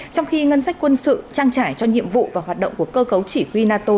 trong khi ngân sách quân sự trang trải cho nhiệm vụ và hoạt động của cơ cấu chỉ huy nato